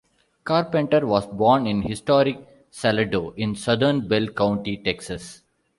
Carpenter was born in historic Salado in southern Bell County, Texas.